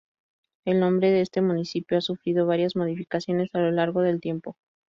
El nombre de este municipio ha sufrido varias modificaciones a lo largo del tiempo.